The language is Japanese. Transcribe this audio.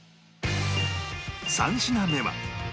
３品目は